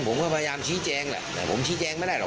ผมก็พยายามชี้แจงแหละแต่ผมชี้แจงไม่ได้หรอก